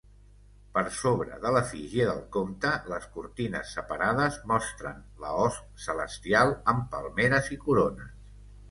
Per sobre de l'efígie del compte, les cortines separades mostren la host celestial amb palmeres i corones.